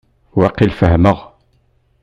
Waqil fehmeɣ.